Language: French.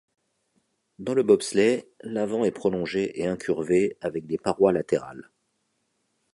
Dans le bobsleigh l'avant est prolongé et incurvé avec des parois latérales.